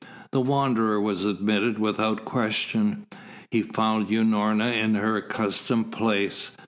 The Wanderer was admitted without question. He found Unorna in her accustomed place.